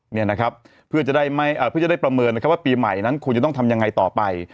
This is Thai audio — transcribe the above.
เนี่ยนะครับเพื่อจะได้ไม่เพื่อจะได้ประเมินนะครับว่าปีใหม่นั้นคุณจะต้องทำยังไงต่อไป